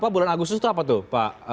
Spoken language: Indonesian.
bulan agustus itu apa tuh pak